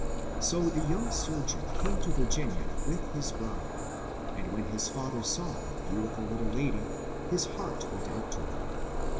So the young surgeon came to Vir ginia with his bride ; and when his father saw the beautiful little lady his heart went out to her.